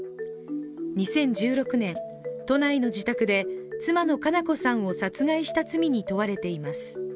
２０１６年、都内の自宅で妻の佳菜子さんを殺害した罪に問われています